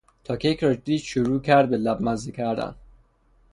تا کیک را دید شروع کرد به لب مزه کردن.